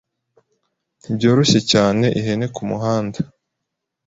Ntibyoroshye cyane ihene kumuhanda